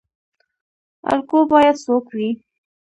الګو باید څوک وي؟